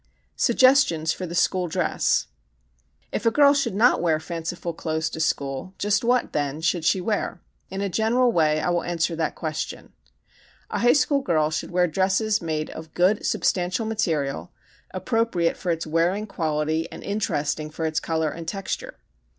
Suggestions for the School Dress If a girl should not wear fanciful clothes to school just what, then, should she wear? In a general way I will answer that question. A high school girl should wear dresses made of good, substantial material, appropriate for its wearing quality and interesting for its color and texture.